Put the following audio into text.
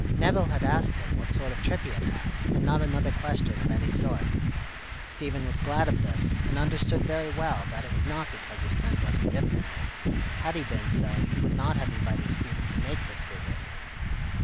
Nevill had asked him what sort of trip he had had, and not another question of any sort. Stephen was glad of this, and understood very well that it was not because his friend was indifferent. Had he been so, he would not have invited Stephen to make this visit.